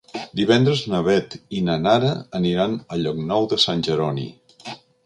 Divendres na Beth i na Nara aniran a Llocnou de Sant Jeroni.